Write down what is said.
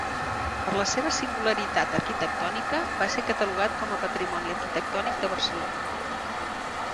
Per la seva singularitat arquitectònica, va ser catalogat com a Patrimoni arquitectònic de Barcelona.